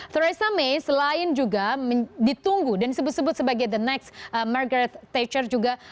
toresa may selain juga ditunggu dan disebut sebut sebagai the next margaret thatcher juga